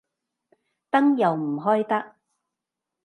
燈又唔開得